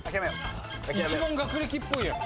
一番学歴っぽいやん。